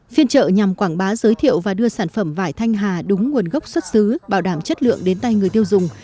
phiên trợ nhằm quảng bá giới thiệu và đưa sản phẩm vải thanh hà đúng nguồn gốc xuất xứ bảo đảm chất lượng đến tay người tiêu dùng